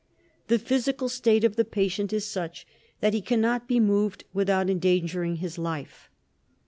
The physical state of the patient is such that he cannot be moved without endangering his life.